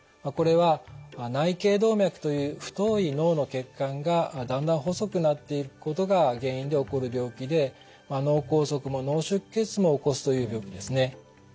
これは内頚動脈という太い脳の血管がだんだん細くなっていくことが原因で起こる病気で脳梗塞も脳出血も起こすという病気ですね。